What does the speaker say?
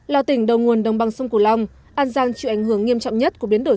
là tỉnh đầu nguồn đồng bằng sông cửu long an giang chịu ảnh hưởng nghiêm trọng nhất của biến đổi